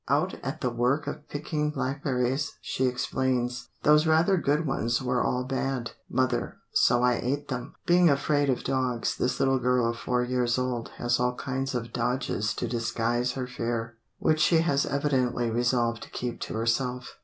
Out at the work of picking blackberries, she explains, "Those rather good ones were all bad, mother, so I ate them." Being afraid of dogs, this little girl of four years old has all kinds of dodges to disguise her fear, which she has evidently resolved to keep to herself.